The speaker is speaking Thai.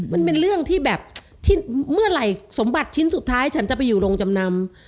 มันเป็นเรื่องที่แบบที่เมื่อไหร่สมบัติชิ้นสุดท้ายฉันจะไปอยู่โรงจำนำ